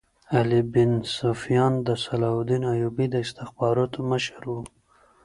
علي بن سفیان د صلاح الدین ایوبي د استخباراتو مشر وو